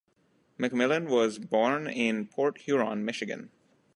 McMillan was born in Port Huron, Michigan.